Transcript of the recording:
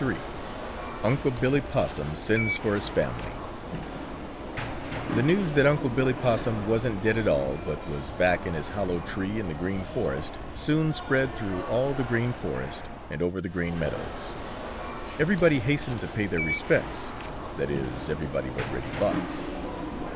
III UNC' BILLY POSSUM SENDS FOR HIS FAMILY The news that Unc' Billy Possum wasn't dead at all but was back in his hollow tree in the Green Forest soon spread through all the Green Forest and over the Green Meadows. Everybody hastened to pay their respects, that is everybody but Reddy Fox.